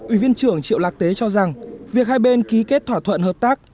ủy viên trưởng triệu lạc tế cho rằng việc hai bên ký kết thỏa thuận hợp tác